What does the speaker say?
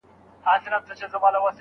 پرېږده جهاني د ځوانیمرګو د محفل کیسه